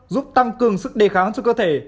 giúp tăng cường sức đề kháng cho cơ thể